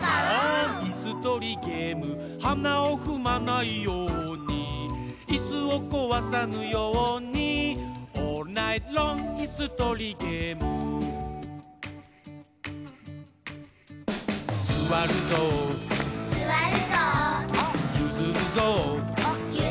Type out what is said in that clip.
いすとりゲーム」「はなをふまないように」「いすをこわさぬように」「オールナイトロングいすとりゲーム」「すわるぞう」「ゆずるぞう」